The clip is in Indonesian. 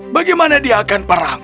bagaimana dia akan perang